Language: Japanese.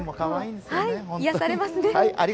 癒やされますね。